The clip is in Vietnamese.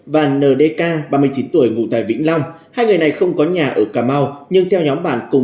và ndk ba mươi chín tuổi ngụ tại vĩnh long hai người này không có nhà ở cà mau nhưng theo nhóm bạn cùng